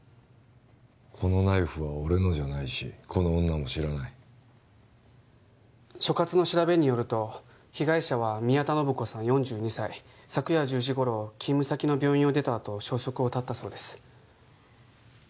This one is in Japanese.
このナイフは俺のじゃないしこの女も知らない所轄の調べによると被害者は宮田信子さん４２歳昨夜１０時頃勤務先の病院を出たあと消息を絶ったそうです